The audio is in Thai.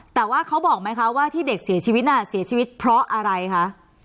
แต่ว่าเขาบอกไหมคะว่าที่เด็กเสียชีวิตน่ะเสียชีวิตเสียชีวิตเพราะอะไรคะ